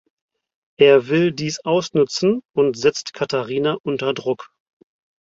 Er will dies ausnutzen und setzt Katharina unter Druck.